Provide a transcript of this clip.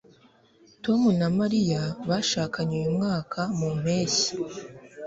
tom na mariya bashakanye uyu mwaka mu mpeshyi